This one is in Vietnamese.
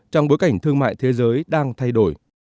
trong bối cảnh thương mại thế giới đang thay đổi